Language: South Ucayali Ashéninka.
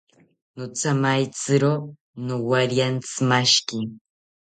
Nothamaetziro nowariantzimashiki